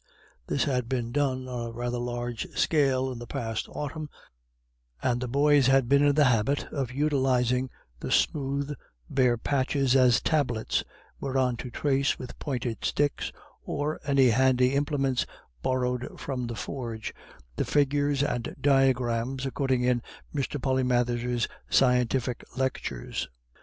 This had been done on a rather large scale in the past autumn, and the boys had been in the habit of utilising the smooth, bare patches as tablets whereon to trace with pointed sticks, or any handy implements borrowed from the forge, the figures and diagrams occurring in Mr. Polymathers's scientific lectures.